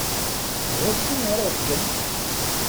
D acu ara yexdem ?